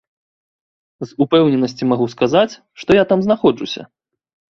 З упэўненасцю магу сказаць, што я там знаходжуся.